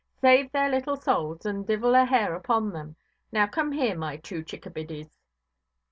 Save their little sowls, and divil a hair upon them. Now come here, my two chickabiddies".